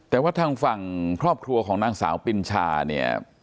แต่ว่าทางฝั่งครอบครัวของนางสาวปินชาเนี่ย